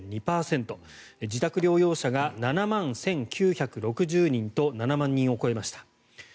自宅療養者が７万１９６０人と７万人を超えました。